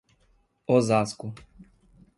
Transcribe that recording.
Osasco